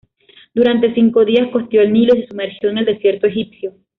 Durante cinco días costeó el Nilo y se sumergió en el desierto egipcio.